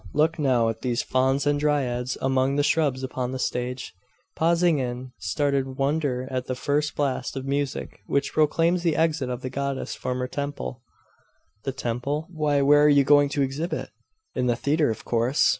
Look, now, at these fauns and dryads among the shrubs upon the stage, pausing in startled wonder at the first blast of music which proclaims the exit of the goddess from her temple.' 'The temple? Why, where are you going to exhibit?' 'In the Theatre, of course.